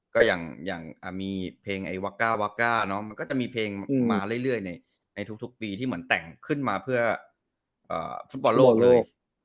ก็อย่างมีเพลงไอ้วักก้าววักก้ามันก็จะมีเพลงมาเรื่อยในทุกปีที่เหมือนแต่งขึ้นมาเพื่อฟุตบอลโลกเลย